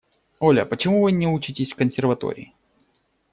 Оля, почему вы не учитесь в консерватории?